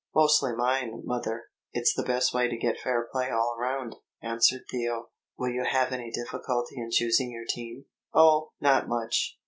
"Mostly mine, mother. It's the best way to get fair play all round," answered Theo. "Will you have any difficulty in choosing your team?" "Oh, not much.